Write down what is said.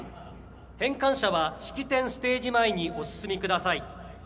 返還者は、式典ステージ前にお進みください。